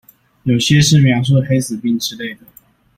有些是描述黑死病之類的